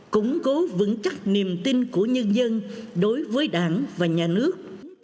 củng cố vững chắc niềm tin của nhân dân đối với đảng và nhà nước